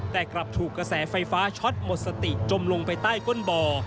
แต่กลับถูกกระแสไฟฟ้าช็อตหมดสติจมลงไปใต้ก้นบ่อ